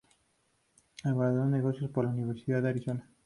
Se graduó en negocios por la Universidad de Arizona.